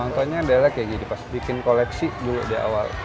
contohnya adalah kayak gini pas bikin koleksi dulu di awal